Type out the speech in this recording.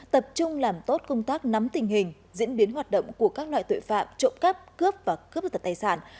tập trung làm tốt công tác nắm tình hình diễn biến hoạt động của các loại tội phạm trộm cắp cướp và cướp giật tài sản